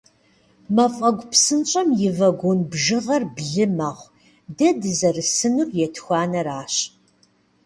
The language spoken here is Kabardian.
Мафӏэгу псынщӏэм и вагон бжьыгъэр блы мэхъу, дэ дызэрысынур етхуанэращ.